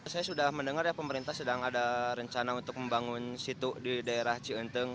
saya sudah mendengar ya pemerintah sedang ada rencana untuk membangun situ di daerah ciuntung